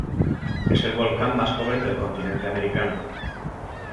Es el volcán más joven del continente americano.